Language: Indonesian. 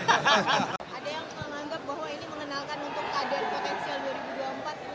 ada yang menganggap bahwa ini mengenalkan untuk kader potensial dua ribu dua puluh empat